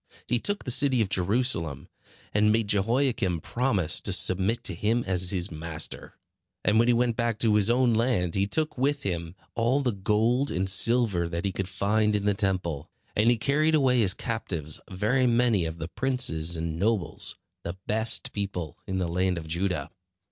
He took the city of Jerusalem, and made Jehoiakim promise to submit to him as his master. And when he went back to his own land he took with him all the gold and silver that he could find in the Temple; and he carried away as captives very many of the princes and nobles, the best people in the land of Judah.